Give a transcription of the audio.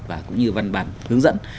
và cũng như văn bản hướng dẫn